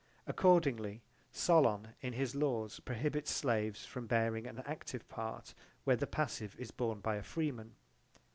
Accordingly, Solon in his laws prohibits slaves from bearing an active part where the passive is borne by a freeman.